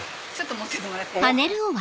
持っててもらっていいですか？